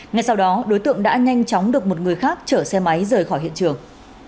ngay sau đó đối tượng đã nhanh chóng được một người khác chở xe máy rời khỏi hiện trường